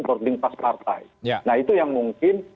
boarding pass partai nah itu yang mungkin